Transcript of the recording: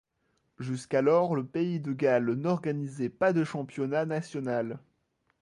Jusqu’alors le pays de Galles n’organisait pas de championnat national.